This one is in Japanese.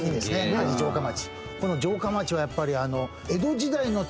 萩城下町。